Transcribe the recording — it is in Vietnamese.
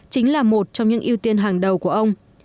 chính là một trong những ưu tiên hàng đầu của ông